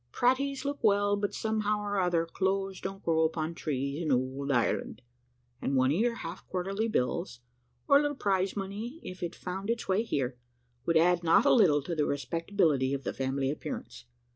Praties look well, but somehow or another clothes don't grow upon trees in ould Ireland; and one of your half quarterly bills, or a little prize money, if it found its way here, would add not a little to the respectability of the family appearance.